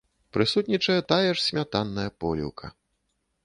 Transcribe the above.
Прысутнічае тая ж смятанная поліўка!